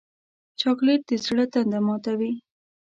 چاکلېټ د زړه تنده ماتوي.